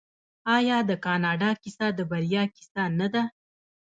آیا د کاناډا کیسه د بریا کیسه نه ده؟